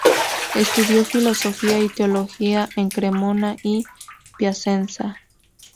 Estudió filosofía y teología en Cremona y Piacenza.